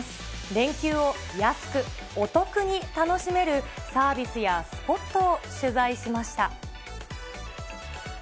連休を安く、お得に楽しめるサービスやスポットを取材しました。